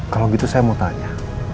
kalau gitu saya mau tanya